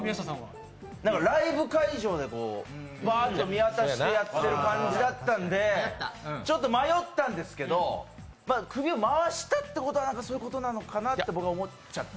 ライブ会場で、パッて見渡してやってる感じだったんでちょっと迷ったんですけど首を回したということはそういうことかなと思っちゃった。